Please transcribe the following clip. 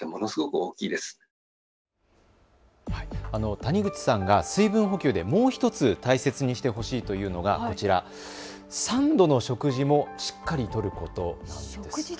谷口さんが水分補給でもう１つ大切にしてほしいというのが３度の食事もしっかりとること。